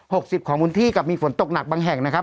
สิบของพื้นที่กับมีฝนตกหนักบางแห่งนะครับ